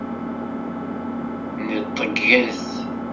Neṭget!